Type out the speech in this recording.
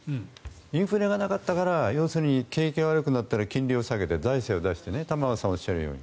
インフレがなかったから要するに景気が悪くなったら金利を下げて、財政を出して玉川さんがおっしゃるように。